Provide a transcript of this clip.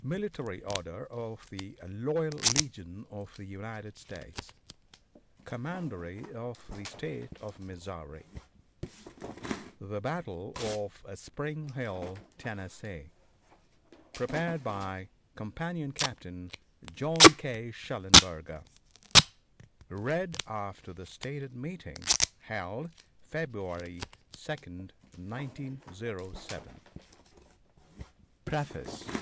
Military Order OF THE Loyal Legion of the United States COMMANDERY OF THE STATE OF MISSOURI The Battle of Spring Hill, Tennessee. PREPARED BY Companion Captain John K. Shellenberger READ AFTER THE STATED MEETING HELD FEBRUARY 2d, 1907 PREFACE.